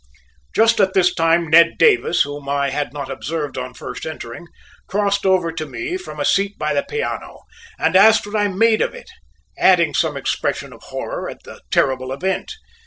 Just at this time Ned Davis, whom I had not observed on first entering, crossed over to me from a seat by the piano, and asked what I made of it, adding some expression of horror at the terrible event.